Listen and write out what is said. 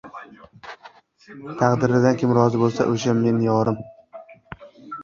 Taqdiridan kim rozi bo‘lsa – o‘sha men yorim